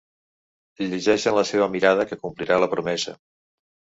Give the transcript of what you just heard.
Llegeix en la seva mirada que complirà la promesa.